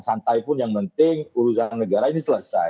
santai pun yang penting urusan negara ini selesai